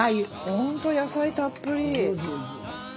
ホント野菜たっぷり。